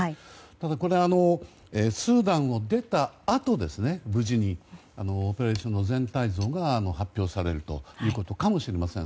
ただ、スーダンを無事に出たあとオペレーションの全体像が発表されるということかもしれません。